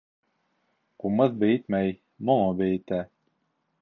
Ҡумыҙ бейетмәй, моңо бейетә.